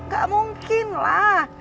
gak mungkin lah